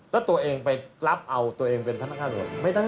แล้วตัวเองไปรับเอาตัวเองเป็นพนักงานส่วน